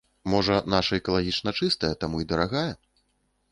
Можа наша экалагічна чыстая, таму і дарагая?